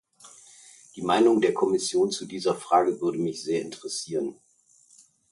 Die Meinung der Kommission zu dieser Frage würde mich sehr interessieren.